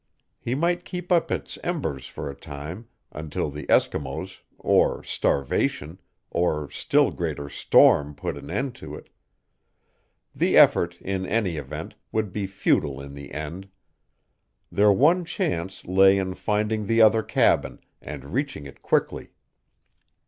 He might keep up its embers for a time until the Eskimos, or starvation, or still greater storm put an end to it. The effort, in any event, would be futile in the end. Their one chance lay in finding the other cabin, and reaching it quickly.